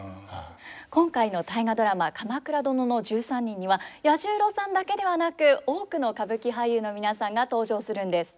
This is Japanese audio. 今回の「大河ドラマ鎌倉殿の１３人」には彌十郎さんだけではなく多くの歌舞伎俳優の皆さんが登場するんです。